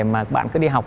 mà bạn cứ đi học